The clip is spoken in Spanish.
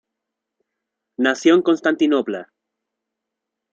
Nació en Constantinopla.